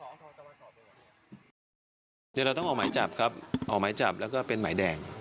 เดี๋ยวเราต้องออกหมายจับครับออกหมายจับแล้วก็เป็นหมายแดง